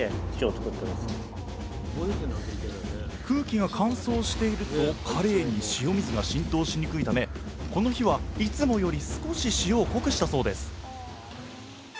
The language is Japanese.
空気が乾燥しているとカレイに塩水が浸透しにくいためこの日はいつもより少し塩を濃くしたそうです。